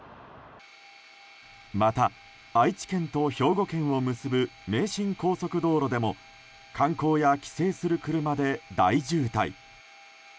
また、愛知県と兵庫県を結ぶ名神高速道路でも観光や帰省する車で大渋滞。